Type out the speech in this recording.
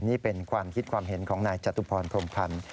นี่เป็นความคิดความเห็นของนายจตุพรพรมพันธ์